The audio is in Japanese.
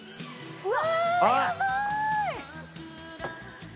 うわ！